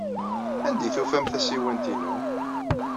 Anda ay tufam tasiwant-inu?